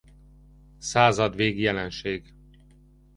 A Századvég-jelenség.